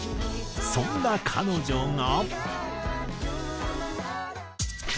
そんな彼女が。